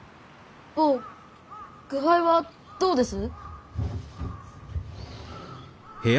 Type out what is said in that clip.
坊具合はどうです？